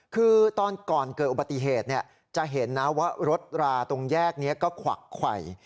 คือตอนก่อนเกิดอุบัติเหตุจะเห็นนะว่ารถราตรงแยกนี้ก็ขวักไขว